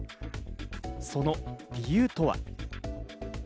その理由とは？